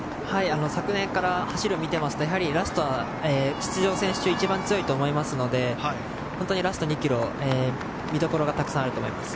昨年から走りを見ていますとラストは出場している選手の中で一番強いと思いますのでラスト２ｋｍ見どころがたくさんあると思います。